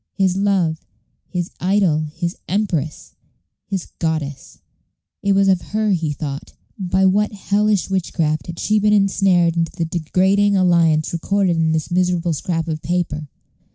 His love, his idol, his empress, his goddess it was of her he thought. By what hellish witchcraft had she been insnared into the degrading alliance recorded in this miserable scrap of paper?